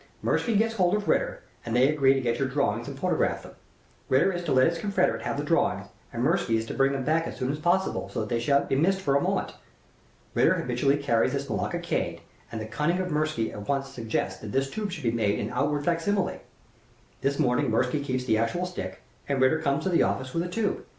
Mirsky gets hold of Ritter, and they agree to get your drawings and photograph them. Ritter is to let his confederate have the drawings, and Mirsky is to bring them back as soon as possible, so that they sha'n't be missed for a moment. Ritter habitually carries this Malacca cane, and the cunning of Mirsky at once suggests that this tube should be made in outward fac simile. This morning Mirsky keeps the actual stick, and Ritter comes to the office with the tube.